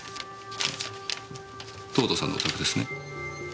藤堂さんのお宅ですね？